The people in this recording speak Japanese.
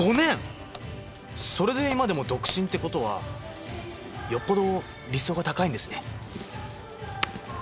それで今でも独身ってことはよっぽど理想が高いんですね。